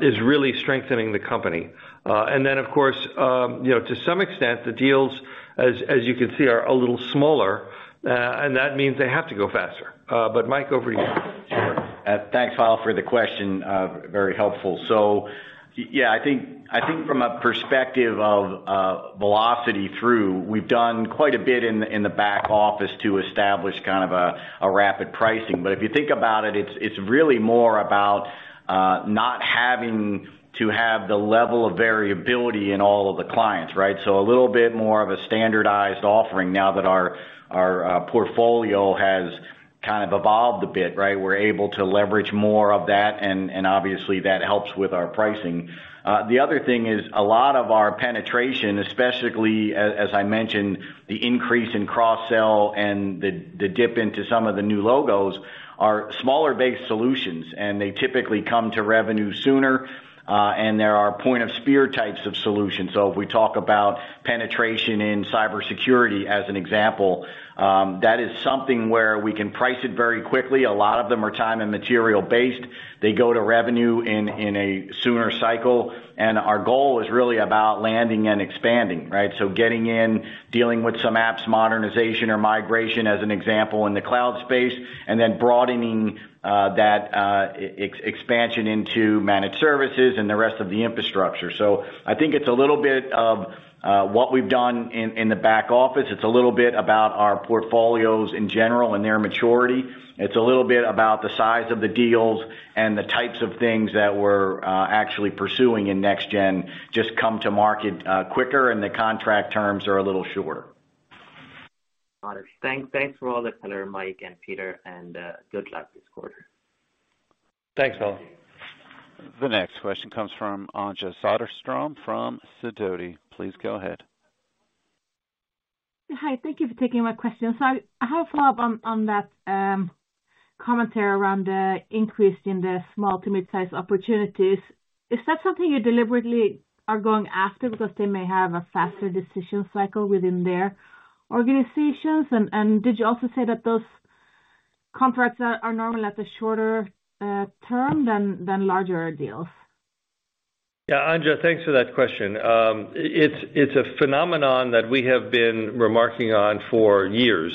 C: is really strengthening the company. Then of course, you know, to some extent, the deals, as you can see, are a little smaller, that means they have to go faster. Mike, over to you.
F: Sure. Thanks, Pallav, for the question, very helpful. Yeah, I think from a perspective of velocity through, we've done quite a bit in the back office to establish kind of a rapid pricing. But if you think about it's really more about not having to have the level of variability in all of the clients, right? A little bit more of a standardized offering now that our portfolio has kind of evolved a bit, right? We're able to leverage more of that, and obviously that helps with our pricing. The other thing is a lot of our penetration, especially as I mentioned, the increase in cross sell and the dip into some of the new logos, are smaller-based solutions, and they typically come to revenue sooner. They're our point of spear types of solutions. If we talk about penetration in cybersecurity as an example, that is something where we can price it very quickly. A lot of them are time and material-based. They go to revenue in a sooner cycle, and our goal is really about landing and expanding, right? Getting in, dealing with some apps modernization or migration as an example in the cloud space, and then broadening that expansion into managed services and the rest of the infrastructure. I think it's a little bit of what we've done in the back office. It's a little bit about our portfolios in general and their maturity. It's a little bit about the size of the deals and the types of things that we're actually pursuing in next gen just come to market quicker and the contract terms are a little shorter.
G: Got it. Thanks. Thanks for all the color, Mike and Peter, and good luck this quarter.
F: Thanks, Pallav.
A: The next question comes from Anja Soderstrom from Sidoti. Please go ahead.
H: Hi. Thank you for taking my question. I have a follow-up on that commentary around the increase in the small to midsize opportunities. Is that something you deliberately are going after because they may have a faster decision cycle within their organizations? Did you also say that those contracts are normally at a shorter term than larger deals?
C: Yeah. Anja, thanks for that question. It's a phenomenon that we have been remarking on for years,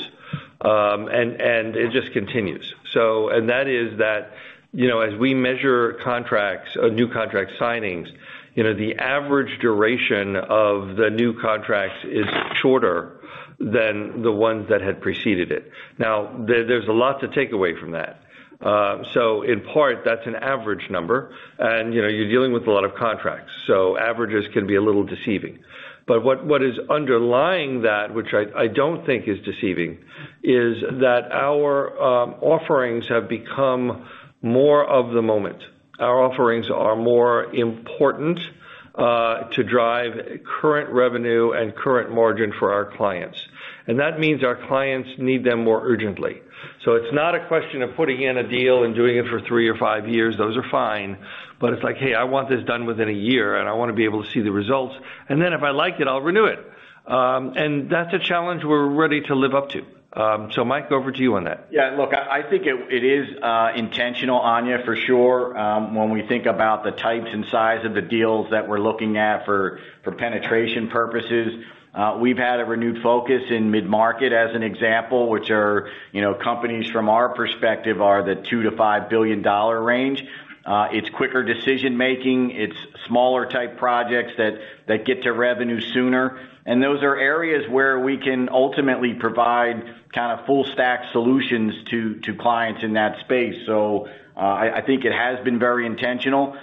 C: and it just continues. That is that, you know, as we measure contracts or new contract signings, you know, the average duration of the new contracts is shorter than the ones that had preceded it. Now, there's a lot to take away from that. In part, that's an average number, and, you know, you're dealing with a lot of contracts, so averages can be a little deceiving. What is underlying that, which I don't think is deceiving, is that our offerings have become more of the moment. Our offerings are more important to drive current revenue and current margin for our clients. That means our clients need them more urgently. It's not a question of putting in a deal and doing it for three or five years. Those are fine. It's like, "Hey, I want this done within a year, and I wanna be able to see the results. If I like it, I'll renew it." That's a challenge we're ready to live up to. Mike, over to you on that.
F: Yeah. Look, I think it is intentional, Anja, for sure. When we think about the types and size of the deals that we're looking at for penetration purposes, we've had a renewed focus in mid-market as an example, which are, you know, companies from our perspective are the $2 billion-$5 billion range. It's quicker decision-making. It's smaller type projects that get to revenue sooner. Those are areas where we can ultimately provide kind of full stack solutions to clients in that space. I think it has been very intentional.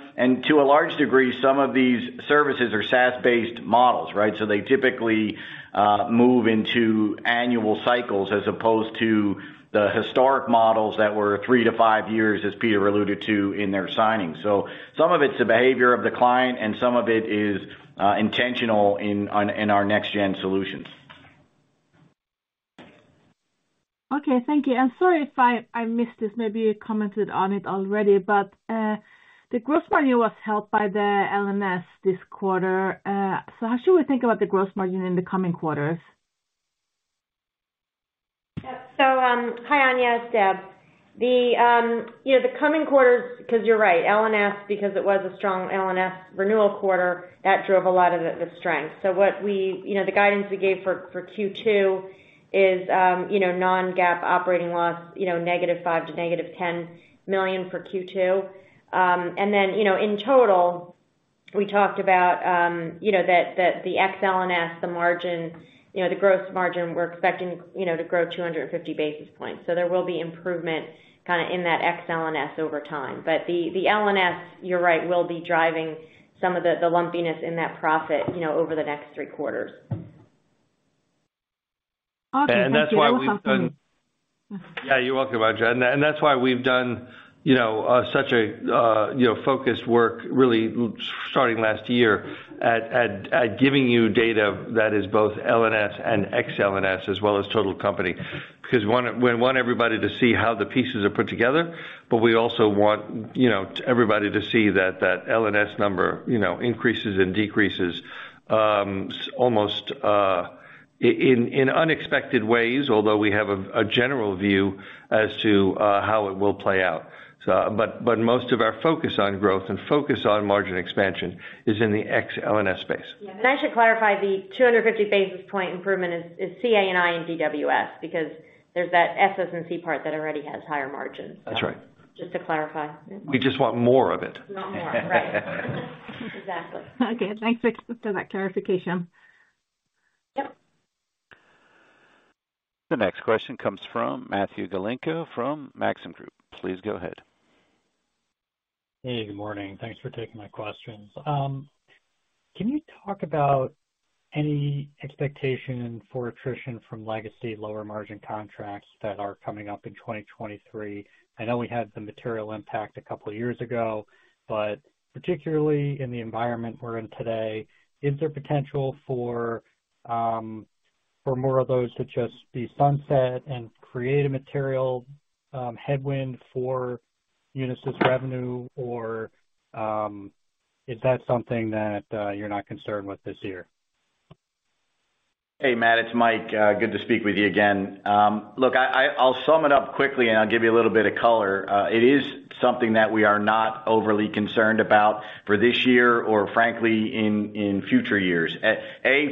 F: To a large degree, some of these services are SaaS-based models, right? They typically move into annual cycles as opposed to the historic models that were three to five years, as Peter alluded to in their signings. Some of it's the behavior of the client, and some of it is intentional in our Next-Gen solutions.
H: Okay. Thank you. I'm sorry if I missed this. Maybe you commented on it already, but the gross margin was held by the LNS this quarter. How should we think about the gross margin in the coming quarters?
D: Hi, Anja, it's Deb. The, you know, the coming quarters. You're right, LNS, because it was a strong LNS renewal quarter, that drove a lot of the strength. What we, you know, the guidance we gave for Q2 is, you know, non-GAAP operating loss, you know, -$5 million to -$10 million for Q2. In total, we talked about, you know, that the Ex-L&S, the margin, you know, the gross margin, we're expecting, you know, to grow 250 basis points. There will be improvement kind of in that Ex-L&S over time. But the LNS, you're right, will be driving some of the lumpiness in that profit, you know, over the next three quarters.
H: Okay. Thank you.
F: That's why we've.
D: You're welcome.
F: Yeah, you're welcome, Anja. That's why we've done, you know, such a, you know, focused work really starting last year at giving you data that is both LNS and Ex-LNS as well as total company. We want everybody to see how the pieces are put together, but we also want, you know, everybody to see that LNS number, you know, increases and decreases, almost in unexpected ways, although we have a general view as to how it will play out. But most of our focus on growth and focus on margin expansion is in the Ex-LNS space.
D: Yeah. I should clarify, the 250 basis point improvement is CA&I and DWS because there's that SS&C part that already has higher margins.
F: That's right.
D: Just to clarify.
F: We just want more of it.
D: We want more. Right. Exactly.
H: Okay. Thanks for that clarification.
D: Yep.
A: The next question comes from Matthew Galinko from Maxim Group. Please go ahead.
I: Hey, good morning. Thanks for taking my questions. Can you talk about any expectation for attrition from legacy lower margin contracts that are coming up in 2023? I know we had the material impact a couple years ago, but particularly in the environment we're in today, is there potential for more of those to just be sunset and create a material headwind for Unisys revenue or is that something that you're not concerned with this year?
F: Hey, Matt, it's Mike. Good to speak with you again. Look, I'll sum it up quickly, and I'll give you a little bit of color. It is something that we are not overly concerned about for this year or frankly, in future years.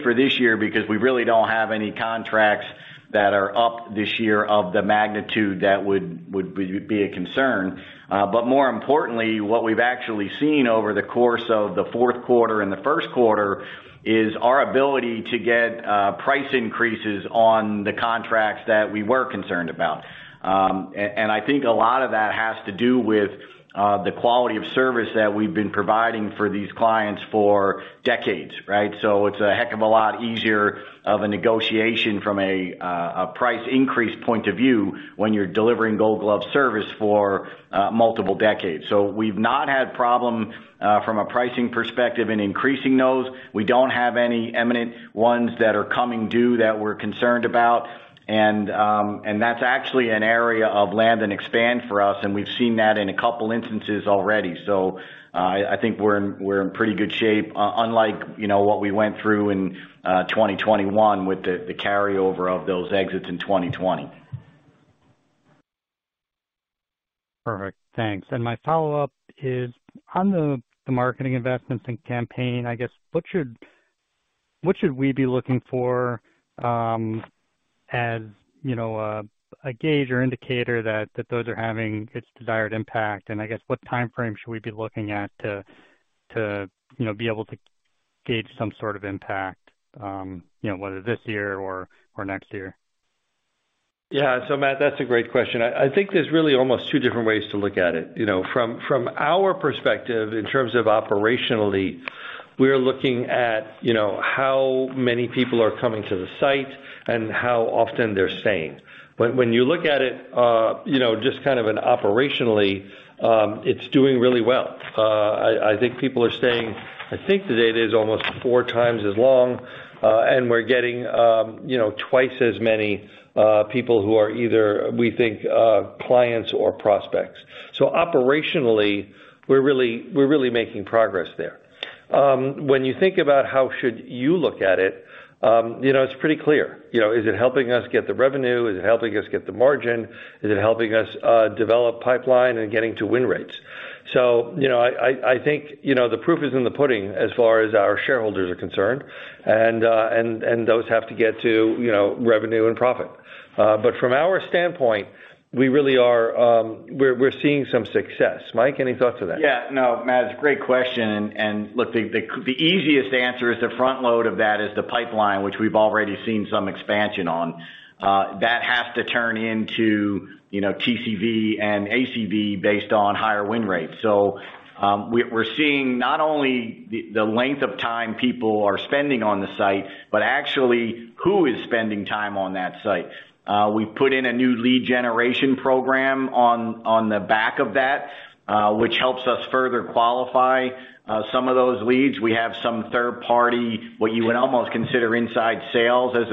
F: For this year because we really don't have any contracts that are up this year of the magnitude that would be a concern. More importantly, what we've actually seen over the course of the fourth quarter and the first quarter is our ability to get price increases on the contracts that we were concerned about. I think a lot of that has to do with the quality of service that we've been providing for these clients for decades, right? It's a heck of a lot easier of a negotiation from a price increase point of view when you're delivering gold glove service for multiple decades. We've not had problem from a pricing perspective in increasing those. We don't have any eminent ones that are coming due that we're concerned about. That's actually an area of land and expand for us, and we've seen that in a couple instances already. I think we're in, we're in pretty good shape, unlike, you know, what we went through in 2021 with the carryover of those exits in 2020.
I: Perfect. Thanks. My follow-up is on the marketing investments and campaign, I guess what should we be looking for, as, you know, a gauge or indicator that those are having its desired impact? I guess what timeframe should we be looking at to, you know, be able to gauge some sort of impact, you know, whether this year or next year?
C: Yeah. Matt, that's a great question. I think there's really almost two different ways to look at it. You know, from our perspective in terms of operationally, we are looking at, you know, how many people are coming to the site and how often they're staying. When you look at it, you know, just kind of an operationally, it's doing really well. I think people are staying, I think the data is almost 4x as long, and we're getting, you know, 2x as many people who are either, we think, clients or prospects. Operationally, we're really making progress there. When you think about how should you look at it, you know, it's pretty clear. You know, is it helping us get the revenue? Is it helping us get the margin? Is it helping us develop pipeline and getting to win rates? You know, I think, you know, the proof is in the pudding as far as our shareholders are concerned, and those have to get to, you know, revenue and profit. From our standpoint, we really are, we're seeing some success. Mike, any thoughts to that?
F: Yeah, no, Matt, great question. Look, the easiest answer is the front load of that is the pipeline, which we've already seen some expansion on. That has to turn into, you know, TCV and ACV based on higher win rates. We're seeing not only the length of time people are spending on the site, but actually who is spending time on that site. We put in a new lead generation program on the back of that, which helps us further qualify some of those leads. We have some third party, what you would almost consider inside sales as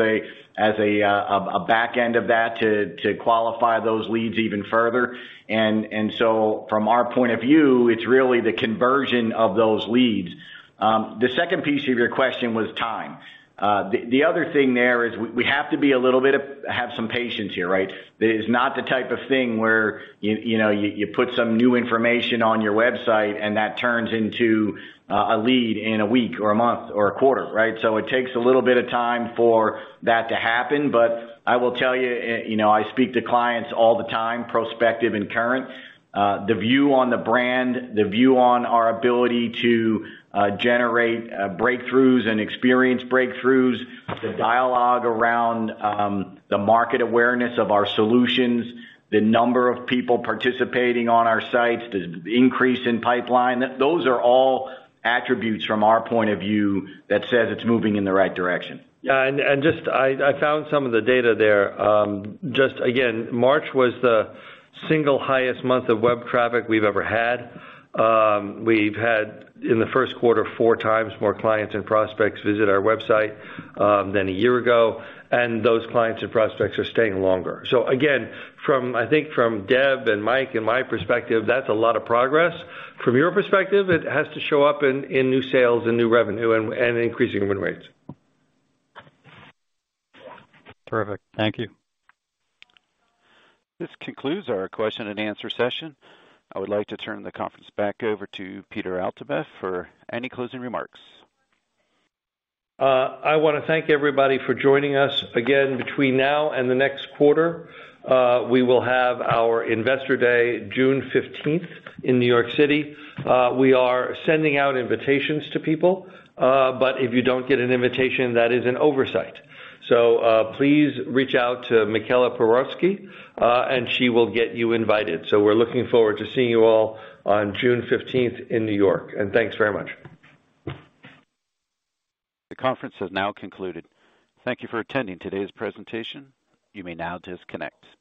F: a back end of that to qualify those leads even further. From our point of view, it's really the conversion of those leads. The second piece of your question was time. The other thing there is we have to be a little bit of have some patience here, right? That is not the type of thing where you know, you put some new information on your website, and that turns into a lead in a week or a month or a quarter, right? It takes a little bit of time for that to happen. I will tell you know, I speak to clients all the time, prospective and current. The view on the brand, the view on our ability to generate breakthroughs and experience breakthroughs, the dialogue around the market awareness of our solutions, the number of people participating on our sites, the increase in pipeline. Those are all attributes from our point of view that says it's moving in the right direction.
C: Yeah. I found some of the data there. Just again, March was the single highest month of web traffic we've ever had. We've had, in the first quarter, 4 times more clients and prospects visit our website than a year ago. Those clients and prospects are staying longer. Again, from, I think from Deb and Mike and my perspective, that's a lot of progress. From your perspective, it has to show up in new sales and new revenue and increasing win rates.
I: Perfect. Thank you.
A: This concludes our question and answer session. I would like to turn the conference back over to Peter Altabef for any closing remarks.
C: I wanna thank everybody for joining us. Again, between now and the next quarter, we will have our Investor Day, June 15th in New York City. We are sending out invitations to people. But if you don't get an invitation, that is an oversight. Please reach out to Michaela Pewarski, and she will get you invited. We're looking forward to seeing you all on June 15th in New York. Thanks very much.
A: The conference has now concluded. Thank you for attending today's presentation. You may now disconnect.